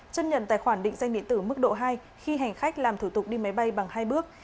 chấp nhận tài khoản định danh điện tử mức độ hai khi hành khách làm thủ tục đi máy bay bằng hai bước